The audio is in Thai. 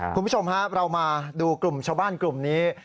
คุณผู้ชมครับเรามาดูกลุ่มชาวบ้านกลุ่มนี้